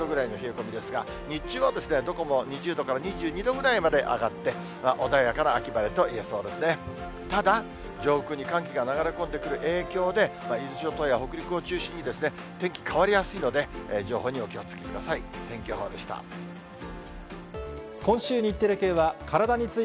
ただ、上空に寒気が流れ込んでくる影響で、伊豆諸島や北陸を中心にですね、天気変わりやすいので、情報にお気をつけください。